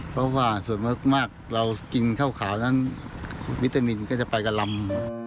เพราะว่าส่วนมากเรากินข้าวขาวนั้นวิตามินก็จะไปกับลำ